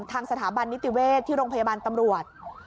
ทางสถาบันนิติเวศที่โรงพยาบาลตำรวจ